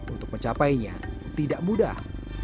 untuk mencapainya tidak mudah